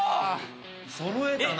そろえたな。